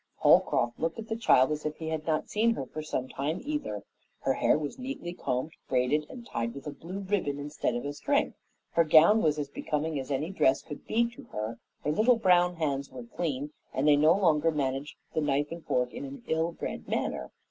Holcroft looked at the child as if he had not seen her for some time either. Her hair was neatly combed, braided, and tied with a blue ribbon instead of a string, her gown was as becoming as any dress could be to her, her little brown hands were clean, and they no longer managed the knife and fork in an ill bred manner.